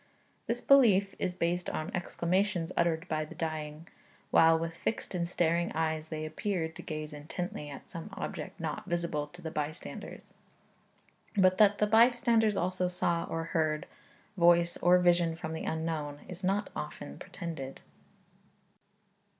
This belief is based on exclamations uttered by the dying, while with fixed and staring eyes they appeared to gaze intently at some object not visible to the bystanders. But that the bystanders also saw, or heard, voice or vision from the Unknown, is not often pretended.